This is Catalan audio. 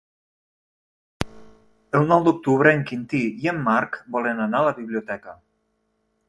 El nou d'octubre en Quintí i en Marc volen anar a la biblioteca.